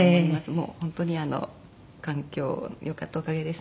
もう本当にあの環境が良かったおかげです。